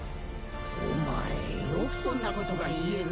お前よくそんなことが言えるな。